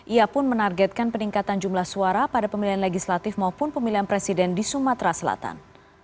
ia pun menargetkan peningkatan jumlah suara pada pemilihan legislatif maupun pemilihan presiden di sumatera selatan